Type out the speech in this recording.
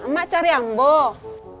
mak cari yang boh